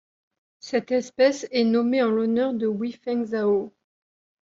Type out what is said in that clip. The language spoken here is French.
Cette espèce est nommée en l'honneur de Hui-feng Zhao.